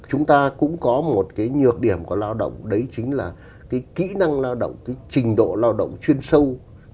chúng ta cũng có một cái nhược điểm của lao động đấy chính là cái kỹ năng lao động cái trình độ lao động chuyên sâu